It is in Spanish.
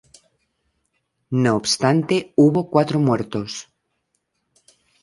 No obstante, hubo cuatro muertos.